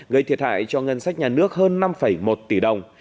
gây thiệt hại cho ngân sách nhà nước hơn năm một tỷ đồng